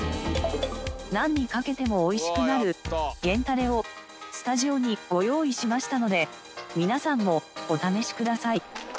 何にかけてもおいしくなる源たれをスタジオにご用意しましたので皆さんもお試しください。